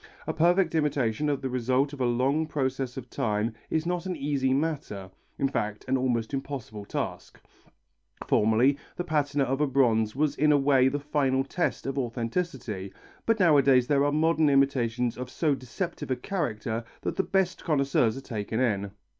A perfect imitation of the result of a long process of time is not an easy matter, in fact an almost impossible task. Formerly the patina of a bronze was in a way the final test of authenticity, but nowadays there are modern imitations of so deceptive a character that the best connoisseurs are taken in.